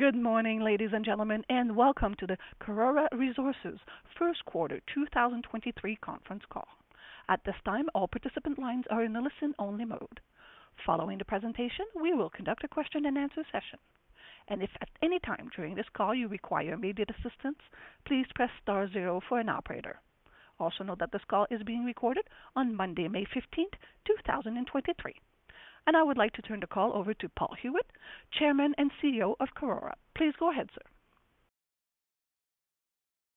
Good morning, ladies and gentlemen, welcome to the Karora Resources first quarter 2023 conference call. At this time, all participant lines are in a listen-only mode. Following the presentation, we will conduct a question-and-answer session. If at any time during this call you require immediate assistance, please press star zero for an operator. Also note that this call is being recorded on Monday, May 15th, 2023. I would like to turn the call over to Paul Huet, Chairman and CEO of Karora. Please go ahead, sir.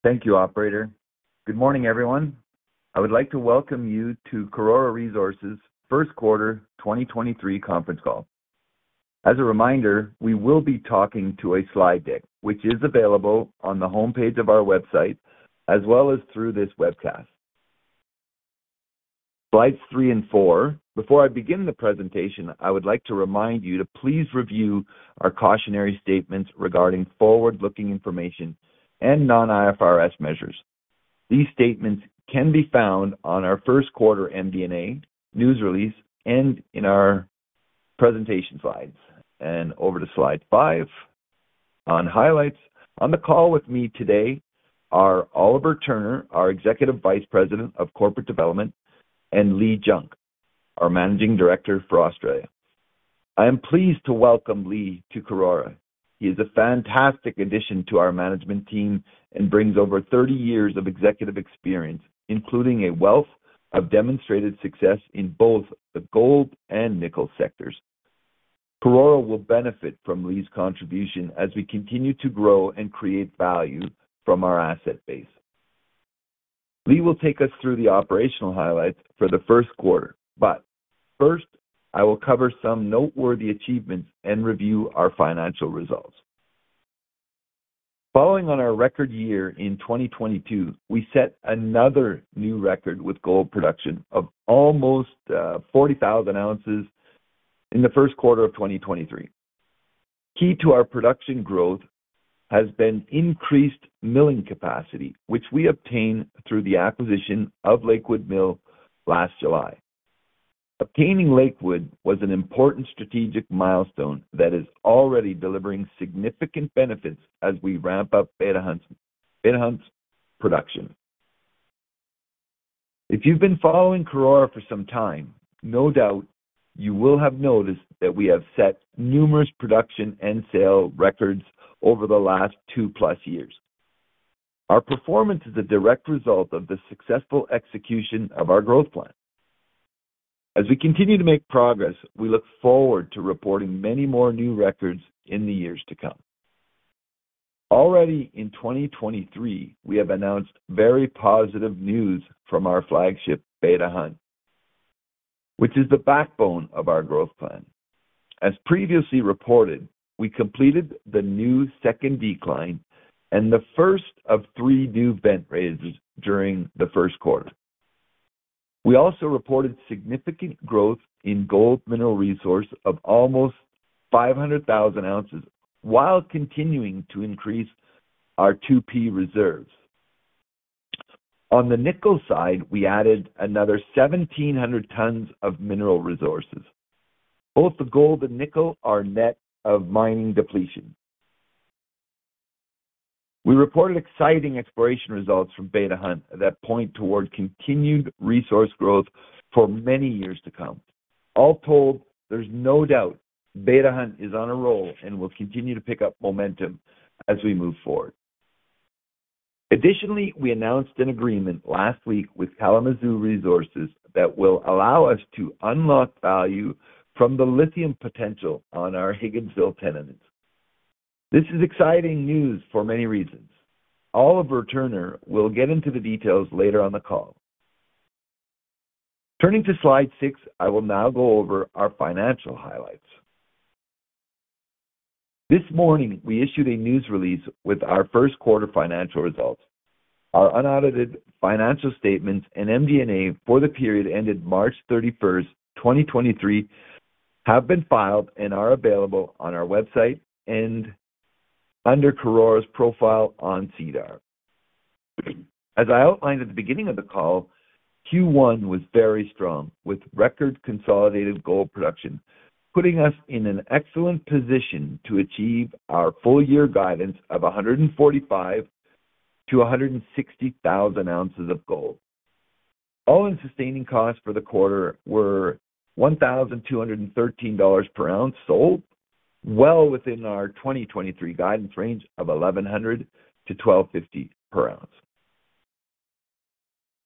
Thank you, operator. Good morning, everyone. I would like to welcome you to Karora Resources' first quarter 2023 conference call. As a reminder, we will be talking to a slide deck, which is available on the homepage of our website as well as through this webcast. Slides three and four. Before I begin the presentation, I would like to remind you to please review our cautionary statements regarding forward-looking information and non-IFRS measures. These statements can be found on our first quarter MD&A news release and in our presentation slides. Over to slide five on highlights. On the call with me today are Oliver Turner, our Executive Vice President of Corporate Development, and Leigh Junk, our Managing Director for Australia. I am pleased to welcome Leigh to Karora. He is a fantastic addition to our management team and brings over 30 years of executive experience, including a wealth of demonstrated success in both the gold and nickel sectors. Karora will benefit from Leigh contribution as we continue to grow and create value from our asset base. Leigh will take us through the operational highlights for the first quarter. First, I will cover some noteworthy achievements and review our financial results. Following on our record year in 2022, we set another new record with gold production of almost 40,000 ounces in the first quarter of 2023. Key to our production growth has been increased milling capacity, which we obtained through the acquisition of Lakewood Mill last July. Obtaining Lakewood was an important strategic milestone that is already delivering significant benefits as we ramp up Beta Hunt's production. If you've been following Karora for some time, no doubt you will have noticed that we have set numerous production and sale records over the last two-plus years. Our performance is a direct result of the successful execution of our growth plan. As we continue to make progress, we look forward to reporting many more new records in the years to come. Already in 2023, we have announced very positive news from our flagship Beta Hunt, which is the backbone of our growth plan. As previously reported, we completed the new second decline and the 1st of three new vent raises during the 1st quarter. We also reported significant growth in gold mineral resource of almost 500,000 ounces while continuing to increase our 2P reserves. On the nickel side, we added another 1,700 tons of mineral resources. Both the gold and nickel are net of mining depletion. We reported exciting exploration results from Beta Hunt that point toward continued resource growth for many years to come. All told, there's no doubt Beta Hunt is on a roll and will continue to pick up momentum as we move forward. Additionally, we announced an agreement last week with Kalamazoo Resources that will allow us to unlock value from the lithium potential on our Higginsville tenements. This is exciting news for many reasons. Oliver Turner will get into the details later on the call. Turning to slide six, I will now go over our financial highlights. This morning, we issued a news release with our first quarter financial results. Our unaudited financial statements and MD&A for the period ended March thirty-first, 2023 have been filed and are available on our website and under Karora's profile on SEDAR. As I outlined at the beginning of the call, Q1 was very strong with record consolidated gold production, putting us in an excellent position to achieve our full year guidance of 145,000-160,000 ounces of gold. All-in sustaining costs for the quarter were $1,213 per ounce sold, well within our 2023 guidance range of 1,100-1,250 per ounce.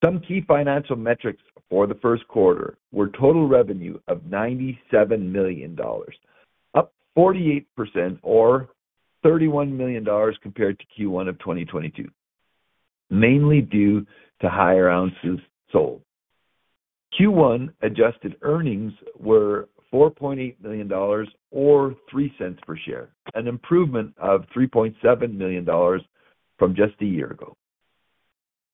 Some key financial metrics for the first quarter were total revenue of $97 million, up 48% or $31 million compared to Q1 of 2022, mainly due to higher ounces sold. Q1 adjusted earnings were $4.8 million or 0.03 per share, an improvement of $3.7 million from just a year ago.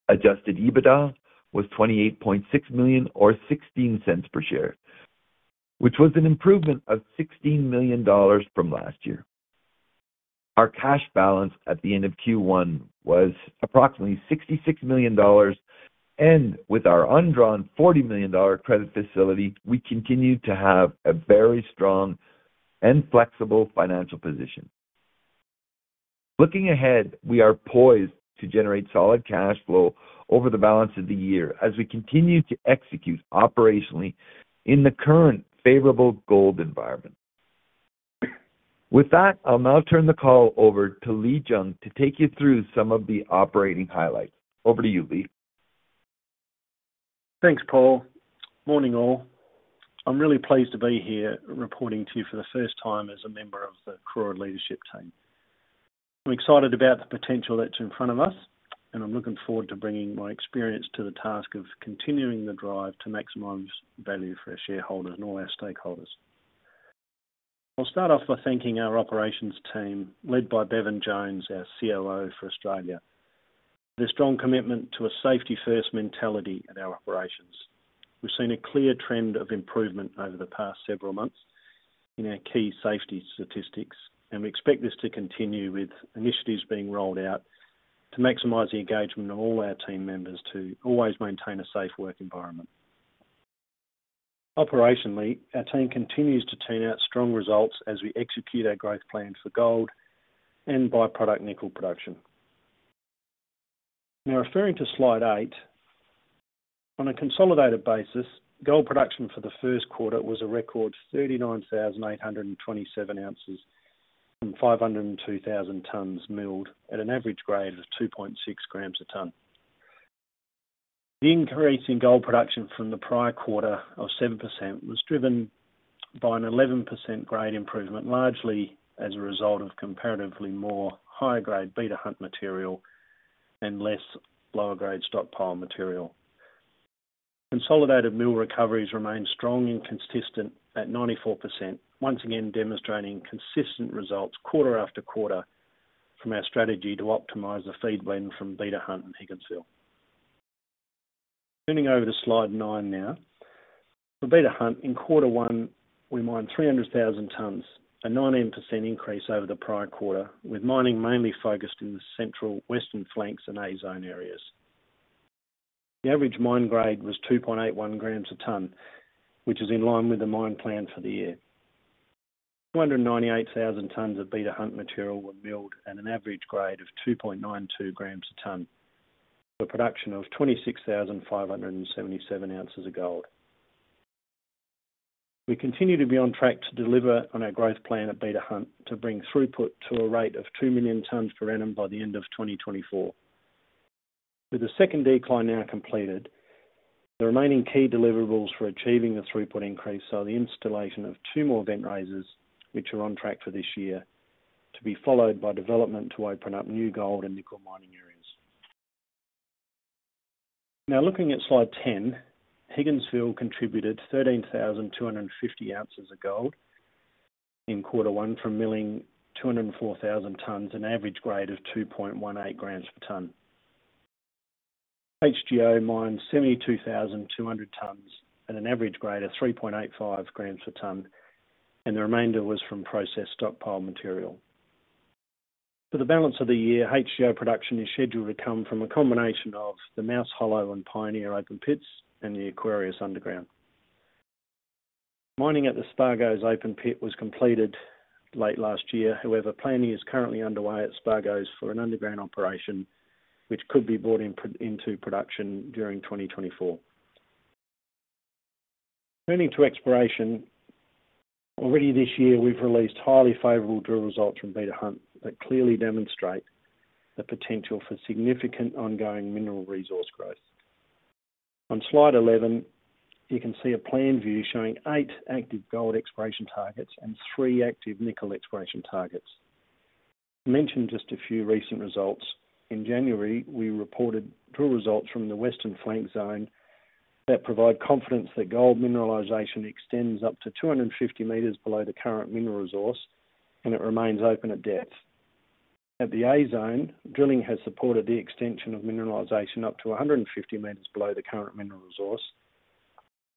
Adjusted EBITDA was 28.6 million or 0.16 per share, which was an improvement of $16 million from last year. Our cash balance at the end of Q1 was approximately $66 million, and with our undrawn $40 million credit facility, we continue to have a very strong and flexible financial position. Looking ahead, we are poised to generate solid cash flow over the balance of the year as we continue to execute operationally in the current favorable gold environment. With that, I'll now turn the call over to Leigh Junk to take you through some of the operating highlights. Over to you, Leigh. Thanks, Paul. Morning, all. I'm really pleased to be here reporting to you for the first time as a member of the Karora leadership team. I'm excited about the potential that's in front of us, and I'm looking forward to bringing my experience to the task of continuing the drive to maximize value for our shareholders and all our stakeholders. I'll start off by thanking our operations team, led by Bevan Jones, our COO for Australia. With a strong commitment to a safety-first mentality at our operations, we've seen a clear trend of improvement over the past several months in our key safety statistics, and we expect this to continue with initiatives being rolled out to maximize the engagement of all our team members to always maintain a safe work environment. Operationally, our team continues to turn out strong results as we execute our growth plans for gold and by-product nickel production. Referring to slide eight, on a consolidated basis, gold production for the first quarter was a record 39,827 ounces from 502,000 tonnes milled at an average grade of 2.6 grams a tonne. The increase in gold production from the prior quarter of 7% was driven by an 11% grade improvement, largely as a result of comparatively more higher-grade Beta Hunt material and less lower-grade stockpile material. Consolidated mill recoveries remain strong and consistent at 94%, once again demonstrating consistent results quarter after quarter from our strategy to optimize the feed blend from Beta Hunt and Higginsville. Turning over to slide 9 now. For Beta Hunt, in quarter one, we mined 300,000 tonnes, a 19% increase over the prior quarter, with mining mainly focused in the central Western Flanks and A-Zone areas. The average mine grade was 2.81 grams a tonne, which is in line with the mine plan for the year. 298,000 tonnes of Beta Hunt material were milled at an average grade of 2.92 grams a tonne for production of 26,577 ounces of gold. We continue to be on track to deliver on our growth plan at Beta Hunt to bring throughput to a rate of 2 million tonnes per annum by the end of 2024. With the second decline now completed, the remaining key deliverables for achieving the throughput increase are the installation of two more vent raises, which are on track for this year, to be followed by development to open up new gold and nickel mining areas. Now looking at slide 10, Higginsville contributed 13,250 ounces of gold in quarter one from milling 204,000 tons, an average grade of 2.18 grams per ton. HGO mined 72,200 tons at an average grade of 3.85 grams a ton. The remainder was from processed stockpile material. For the balance of the year, HGO production is scheduled to come from a combination of the Mouse Hollow and Pioneer Open Pits and the Aquarius Underground. Mining at the Spargos Open Pit was completed late last year. Planning is currently underway at Spargos for an underground operation which could be brought into production during 2024. Turning to exploration. Already this year, we've released highly favorable drill results from Beta Hunt that clearly demonstrate the potential for significant ongoing mineral resource growth. On Slide 11, you can see a plan view showing 8 active gold exploration targets and three active nickel exploration targets. To mention just a few recent results, in January, we reported drill results from the Western Flank zone that provide confidence that gold mineralization extends up to 250 meters below the current mineral resource, and it remains open at depth. At the A-Zone, drilling has supported the extension of mineralization up to 150 meters below the current mineral resource.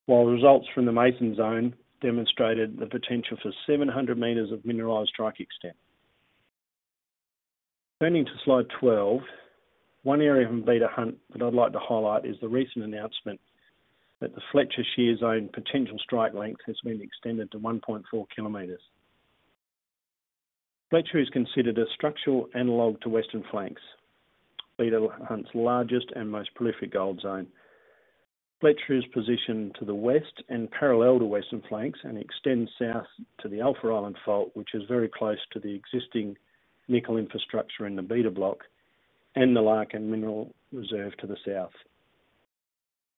While results from the Mason Zone demonstrated the potential for 700 meters of mineralized strike extent. Turning to slide 12, one area of Beta Hunt that I'd like to highlight is the recent announcement that the Fletcher Shear Zone potential strike length has been extended to 1.4 kilometers. Fletcher is considered a structural analog to Western Flanks, Beta Hunt's largest and most prolific gold zone. Fletcher is positioned to the west and parallel to Western Flanks and extends south to the Alpha Island Fault, which is very close to the existing nickel infrastructure in the Beta Block and the Larkin mineral reserve to the south.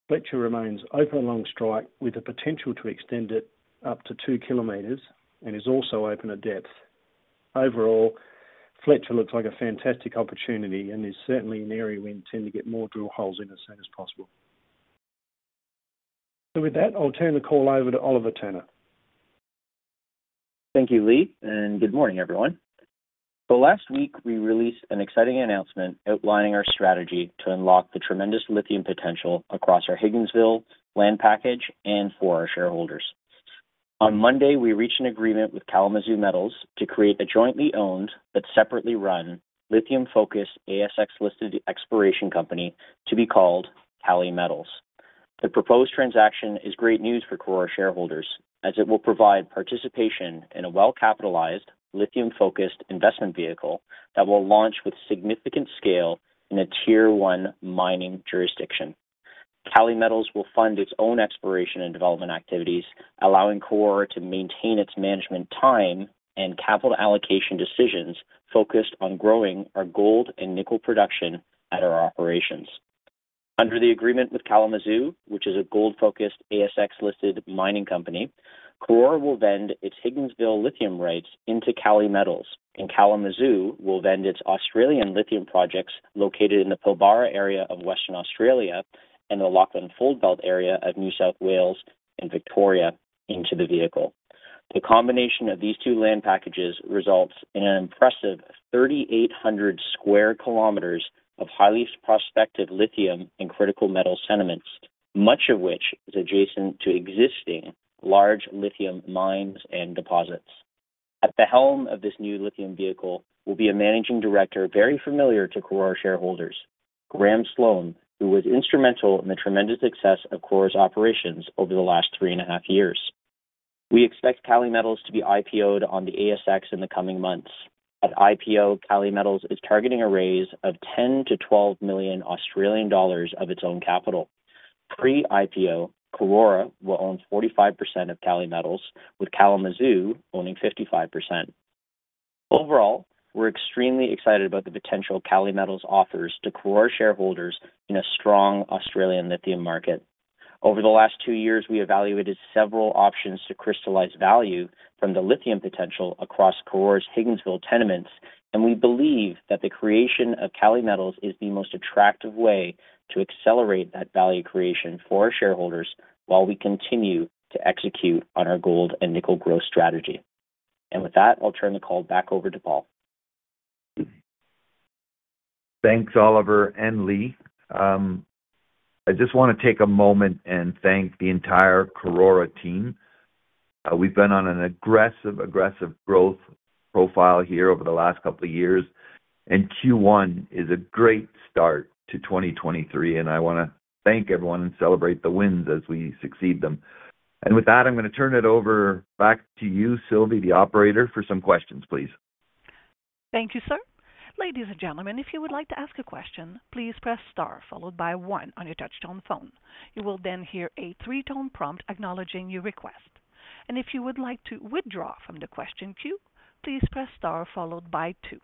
Fletcher remains open along strike with the potential to extend it up to two kilometers and is also open at depth. Overall, Fletcher looks like a fantastic opportunity and is certainly an area we intend to get more drill holes in as soon as possible. With that, I'll turn the call over to Oliver Turner. Thank you, Leigh, and good morning, everyone. Last week, we released an exciting announcement outlining our strategy to unlock the tremendous lithium potential across our Higginsville land package and for our shareholders. On Monday, we reached an agreement with Kalamazoo Resources to create a jointly owned but separately run lithium-focused ASX-listed exploration company to be called Kali Metals. The proposed transaction is great news for Karora shareholders as it will provide participation in a well-capitalized lithium-focused investment vehicle that will launch with significant scale in a tier one mining jurisdiction. Kali Metals will fund its own exploration and development activities, allowing Karora to maintain its management time and capital allocation decisions focused on growing our gold and nickel production at our operations. Under the agreement with Kalamazoo, which is a gold-focused ASX-listed mining company, Karora will vend its Higginsville lithium rights into Kali Metals, and Kalamazoo will vend its Australian lithium projects located in the Pilbara area of Western Australia and the Lachlan Fold Belt area of New South Wales and Victoria into the vehicle. The combination of these two land packages results in an impressive 3,800 square kilometers of highly prospective lithium and critical metal sediments, much of which is adjacent to existing large lithium mines and deposits. At the helm of this new lithium vehicle will be a managing director very familiar to Karora shareholders, Graeme Sloan, who was instrumental in the tremendous success of Karora's operations over the last three and a half years. We expect Kali Metals to be IPO'd on the ASX in the coming months. At IPO, Kali Metals is targeting a raise of 10 million-12 million Australian dollars of its own capital. Pre-IPO, Karora will own 45% of Kali Metals, with Kalamazoo owning 55%. We're extremely excited about the potential Kali Metals offers to Karora shareholders in a strong Australian lithium market. Over the last two years, we evaluated several options to crystallize value from the lithium potential across Karora's Higginsville tenements, and we believe that the creation of Kali Metals is the most attractive way to accelerate that value creation for our shareholders while we continue to execute on our gold and nickel growth strategy. With that, I'll turn the call back over to Paul. Thanks, Oliver and Leigh. I just want to take a moment and thank the entire Karora team. We've been on an aggressive growth profile here over the last couple of years, Q1 is a great start to 2023, and I want to thank everyone and celebrate the wins as we succeed them. With that, I'm going to turn it over back to you, Sylvie, the operator, for some questions, please. Thank you, sir. Ladies and gentlemen, if you would like to ask a question, please press star followed by one on your touchtone phone. You will then hear a three-tone prompt acknowledging your request. If you would like to withdraw from the question queue, please press star followed by two.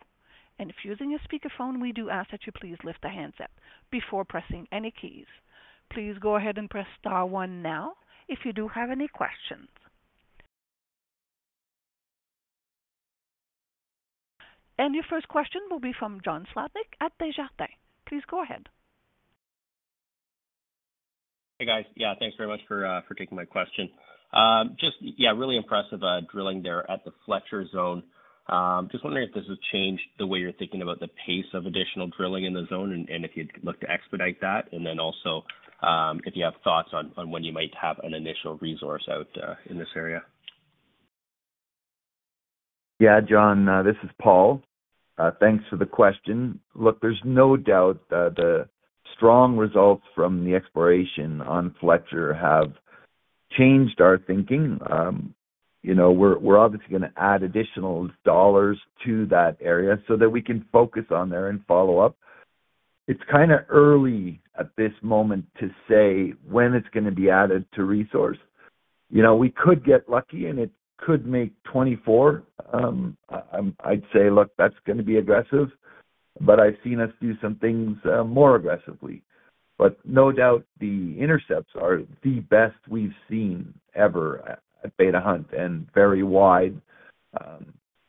If you're using a speakerphone, we do ask that you please lift the handset before pressing any keys. Please go ahead and press star one now if you do have any questions. Your first question will be from John Sclodnick at Desjardins. Please go ahead. Hey, guys. Yeah, thanks very much for taking my question. Just, yeah, really impressive drilling there at the Fletcher Zone. Just wondering if this has changed the way you're thinking about the pace of additional drilling in the zone and if you'd look to expedite that. Also, if you have thoughts on when you might have an initial resource out in this area. Yeah, John, this is Paul. Thanks for the question. Look, there's no doubt that the strong results from the exploration on Fletcher have changed our thinking. You know, we're obviously going to add additional U.S. dollars to that area so that we can focus on there and follow up. It's kinda early at this moment to say when it's going to be added to resource. You know, we could get lucky, and it could make 24. I'd say, look, that's going to be aggressive, but I've seen us do some things more aggressively. No doubt the intercepts are the best we've seen ever at Beta Hunt and very wide.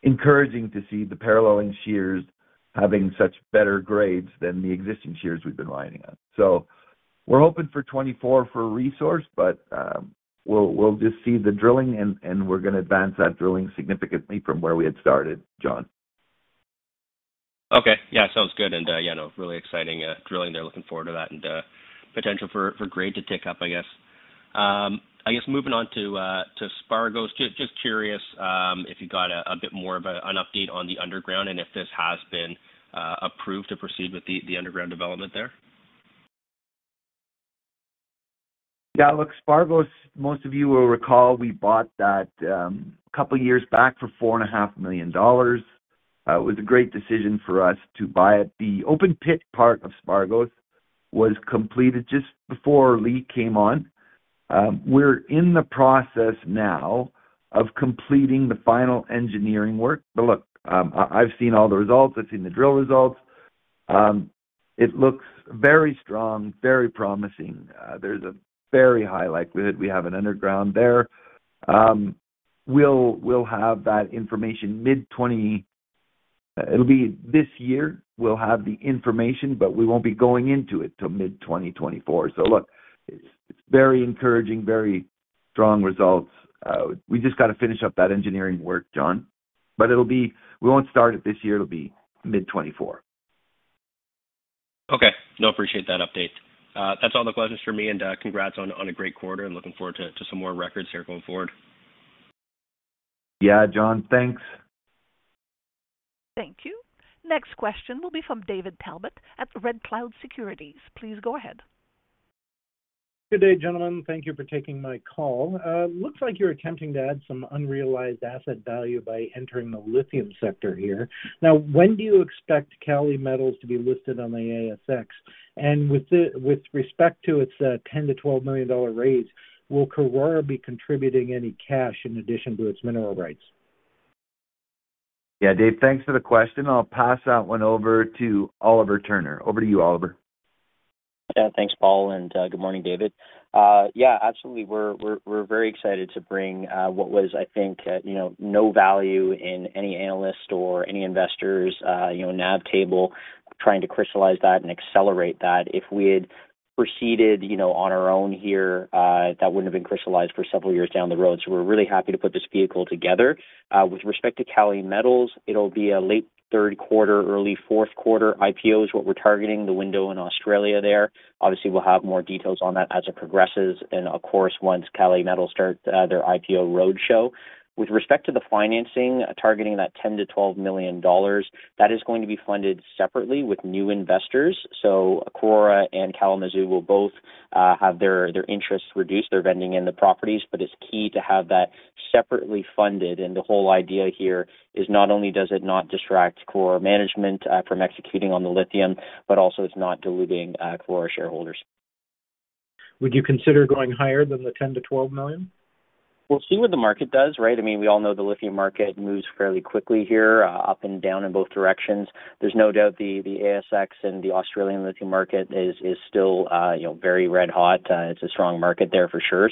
Encouraging to see the parallel in shears having such better grades than the existing shears we've been mining on. We're hoping for 24 for resource, but we'll just see the drilling and we're going to advance that drilling significantly from where we had started, John. Okay. Yeah, sounds good. You know, really exciting drilling there. Looking forward to that and potential for grade to tick up, I guess. I guess moving on to Spargos, just curious if you got a bit more of an update on the underground and if this has been approved to proceed with the underground development there. Look, Spargos, most of you will recall we bought that, couple years back for four and a half million dollars. It was a great decision for us to buy it. The open pit part of Spargos was completed just before Leigh Junk came on. We're in the process now of completing the final engineering work. I've seen all the results. I've seen the drill results. It looks very strong, very promising. There's a very high likelihood we have an underground there. We'll have that information this year, but we won't be going into it till mid-2024. It's very encouraging, very strong results. We just gotta finish up that engineering work, Jon Sclodnick. We won't start it this year. It'll be mid-2024. Okay. No, appreciate that update. That's all the questions for me and congrats on a great quarter and looking forward to some more records here going forward. Yeah, John. Thanks. Thank you. Next question will be from David Talbot at Red Cloud Securities. Please go ahead. Good day, gentlemen. Thank you for taking my call. Looks like you're attempting to add some unrealized asset value by entering the lithium sector here. When do you expect Kali Metals to be listed on the ASX? With respect to its $10 million-$12 million raise, will Karora be contributing any cash in addition to its mineral rights? Yeah. Dave, thanks for the question. I'll pass that one over to Oliver Turner. Over to you, Oliver. Yeah, thanks, Paul. Good morning, David. Yeah, absolutely. We're very excited to bring what was, I think, you know, no value in any analyst or any investors, you know, nav table, trying to crystallize that and accelerate that. If we had proceeded, you know, on our own here, that wouldn't have been crystallized for several years down the road. We're really happy to put this vehicle together. With respect to Kali Metals, it'll be a late third quarter, early fourth quarter IPO, is what we're targeting the window in Australia there. Obviously, we'll have more details on that as it progresses and of course, once Kali Metals start their IPO roadshow. With respect to the financing, targeting that $10 million-$12 million, that is going to be funded separately with new investors. Karora and Kalamazoo will both have their interests reduced. They're vending in the properties, but it's key to have that separately funded. The whole idea here is not only does it not distract core management from executing on the lithium, but also it's not diluting Karora shareholders. Would you consider going higher than the 10 million-12 million? We'll see what the market does, right? I mean, we all know the lithium market moves fairly quickly here, up and down in both directions. There's no doubt the ASX and the Australian lithium market is still, you know, very red-hot. It's a strong market there for sure.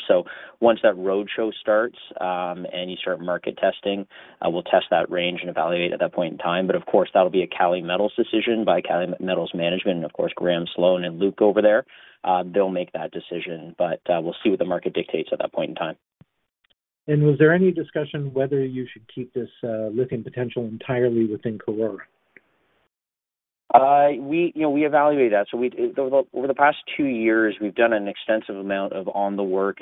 Once that roadshow starts, and you start market testing, we'll test that range and evaluate at that point in time. Of course, that'll be a Kali Metals decision by Kali Metals management and of course, Graeme Sloan and Luke over there. They'll make that decision. We'll see what the market dictates at that point in time. Was there any discussion whether you should keep this, lithium potential entirely within Karora? we, you know, we evaluate that. Over the past two years, we've done an extensive amount of groundwork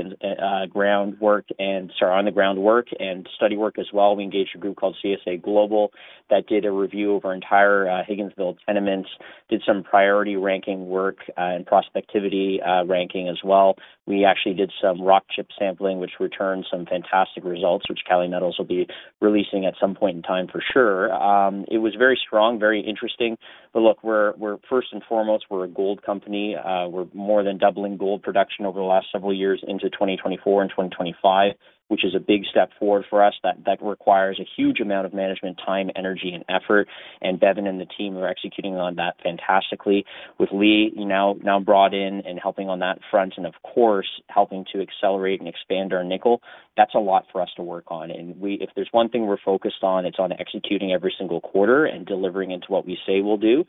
and study work as well. We engaged a group called CSA Global that did a review of our entire Higginsville tenements, did some priority ranking work and prospectivity ranking as well. We actually did some rock chip sampling, which returned some fantastic results, which Kali Metals will be releasing at some point in time for sure. It was very strong, very interesting. Look, we're first and foremost, we're a gold company. We're more than doubling gold production over the last several years into 2024 and 2025, which is a big step forward for us that requires a huge amount of management time, energy, and effort. Stefaan de Vleeschouwer and the team are executing on that fantastically. With Leigh Junk now brought in and helping on that front and of course, helping to accelerate and expand our nickel, that's a lot for us to work on. If there's one thing we're focused on, it's on executing every single quarter and delivering into what we say we'll do.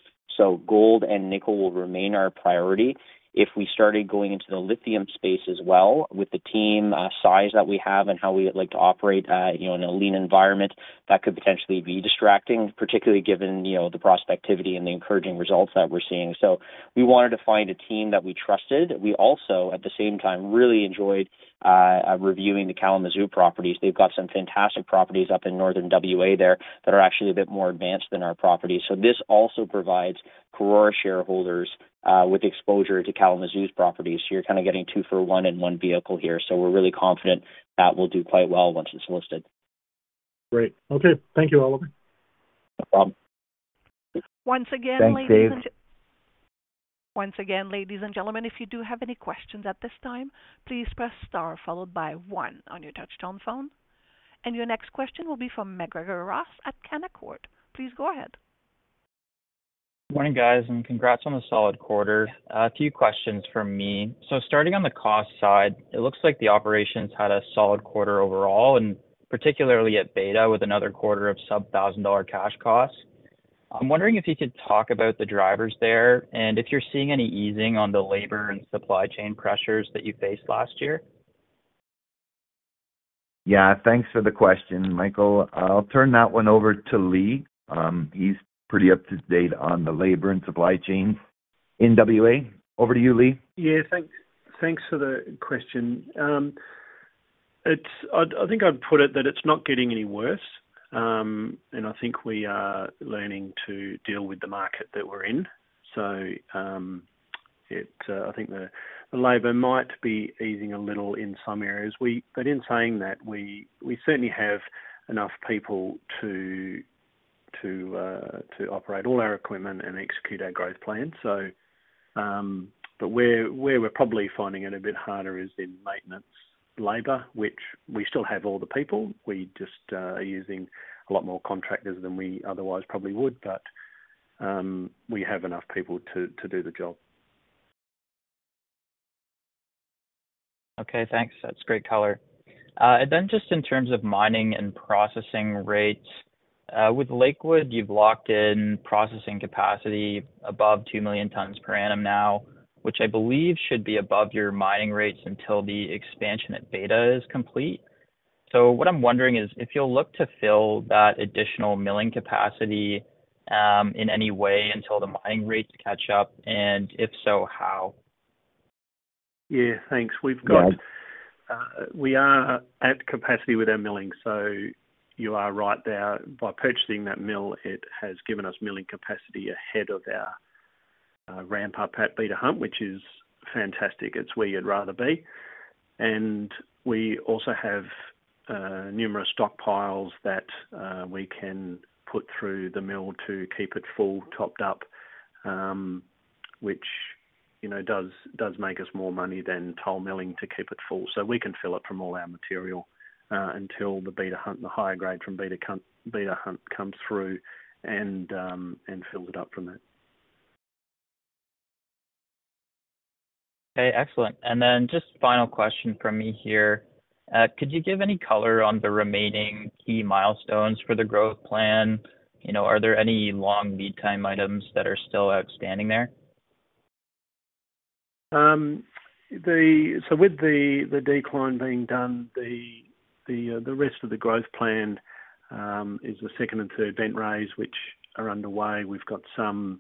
Gold and nickel will remain our priority. If we started going into the lithium space as well with the team size that we have and how we like to operate, you know, in a lean environment, that could potentially be distracting, particularly given, you know, the prospectivity and the encouraging results that we're seeing. We wanted to find a team that we trusted. We also, at the same time, really enjoyed reviewing the Kalamazoo properties. They've got some fantastic properties up in northern WA there that are actually a bit more advanced than our properties. This also provides Karora shareholders with exposure to Kalamazoo's properties. You're kinda getting two for one in one vehicle here. We're really confident that will do quite well once it's listed. Great. Okay. Thank you, Oliver. No problem. Once again, ladies. Thanks, Dave. Once again, ladies and gentlemen, if you do have any questions at this time, please press star followed by one on your touchtone phone. Your next question will be from Michael Ross at Canaccord. Please go ahead. Morning, guys, and congrats on the solid quarter. A few questions from me. Starting on the cost side, it looks like the operations had a solid quarter overall, and particularly at Beta with another quarter of sub-$1,000 cash costs. I'm wondering if you could talk about the drivers there and if you're seeing any easing on the labor and supply chain pressures that you faced last year. Yeah. Thanks for the question, Michael. I'll turn that one over to Leigh. He's pretty up to date on the labor and supply chain in WA. Over to you, Leigh. Yeah. Thanks for the question. I think I'd put it that it's not getting any worse. I think we are learning to deal with the market that we're in. I think the labor might be easing a little in some areas. In saying that, we certainly have enough people to operate all our equipment and execute our growth plan. Where we're probably finding it a bit harder is in maintenance labor, which we still have all the people. We just are using a lot more contractors than we otherwise probably would. We have enough people to do the job. Okay, thanks. That's great color. Then just in terms of mining and processing rates, with Lakewood, you've locked in processing capacity above 2 million tons per annum now, which I believe should be above your mining rates until the expansion at Beta is complete. What I'm wondering is if you'll look to fill that additional milling capacity, in any way until the mining rates catch up, and if so, how? Yeah, thanks. We are at capacity with our milling. You are right there. By purchasing that mill, it has given us milling capacity ahead of our ramp-up at Beta Hunt, which is fantastic. It's where you'd rather be. We also have numerous stockpiles that we can put through the mill to keep it full topped up, which, you know, does make us more money than toll milling to keep it full. We can fill it from all our material until the Beta Hunt, the higher grade from Beta Hunt comes through and fill it up from there. Okay, excellent. Just final question from me here. Could you give any color on the remaining key milestones for the growth plan? You know, are there any long lead time items that are still outstanding there? With the decline being done, the rest of the growth plan is the second and third vent raise, which are underway. We've got some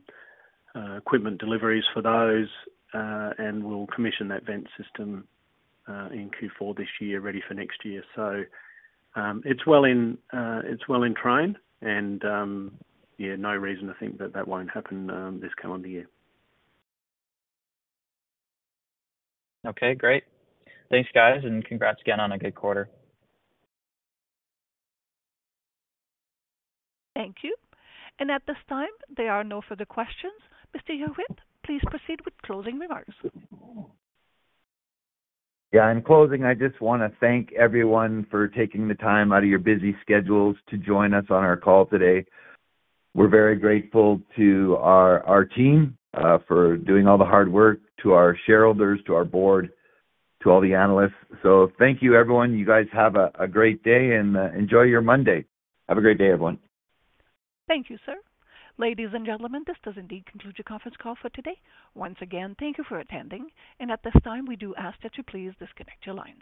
equipment deliveries for those, and we'll commission that vent system, in Q4 this year, ready for next year. It's well in train and, yeah, no reason to think that that won't happen, this calendar year. Okay, great. Thanks, guys. Congrats again on a good quarter. Thank you. At this time, there are no further questions. Mr. Huet, please proceed with closing remarks. Yeah. In closing, I just want to thank everyone for taking the time out of your busy schedules to join us on our call today. We're very grateful to our team for doing all the hard work, to our shareholders, to our board, to all the analysts. Thank you, everyone. You guys have a great day and enjoy your Monday. Have a great day, everyone. Thank you, sir. Ladies and gentlemen, this does indeed conclude your conference call for today. Once again, thank you for attending, and at this time, we do ask that you please disconnect your lines.